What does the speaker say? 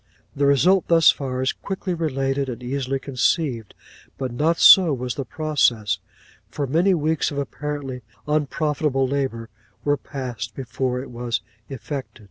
'The result thus far, is quickly related, and easily conceived; but not so was the process; for many weeks of apparently unprofitable labour were passed before it was effected.